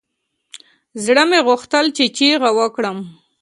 زړه مې غوښتل چې چيغه وکړم.